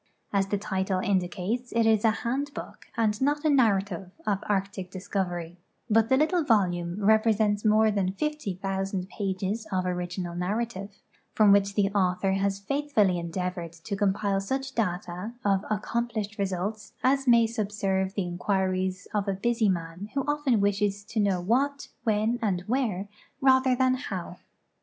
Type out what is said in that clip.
As the title indicates, it is a " handbook " and not a narrative of arctic discov ery ; but the little volume " represents more than 50,000 pages of original narrative, from which the author has faithfully endeavored to comi^ile such data of accomplished results as may subserve the inquiries of a busy man who often wishes to know what, when, and where, rather than how."